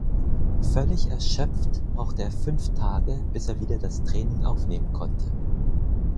Völlig erschöpft brauchte er fünf Tage, bis er wieder das Training aufnehmen konnte.